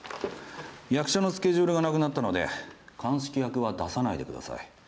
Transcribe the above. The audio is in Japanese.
役者のスケジュールがなくなったので鑑識役は出さないでください。